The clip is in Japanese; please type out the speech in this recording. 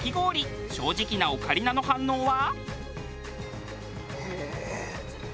正直なオカリナの反応は？